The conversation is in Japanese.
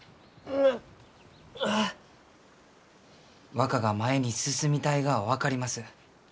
若が前に進みたいがは分かります。